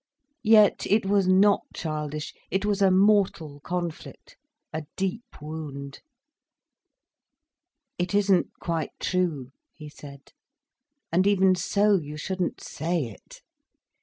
Yet it was not childish, it was a mortal conflict, a deep wound. "It isn't quite true," he said. "And even so, you shouldn't say it."